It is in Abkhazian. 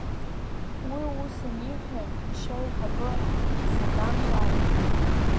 Уи ус аниҳәа, ешьа еиҳабы Ахьҭисаган ҿааиҭит…